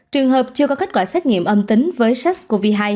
trường hợp chưa có kết quả xét nghiệm âm tính với sars cov hai